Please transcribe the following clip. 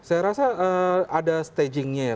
saya rasa ada stagingnya ya